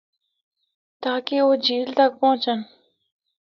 تاکہ او جھیل تک پُہچن۔